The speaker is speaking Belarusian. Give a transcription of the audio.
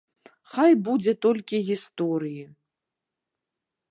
Хай будзе толькі гісторыі.